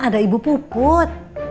ada ibu puput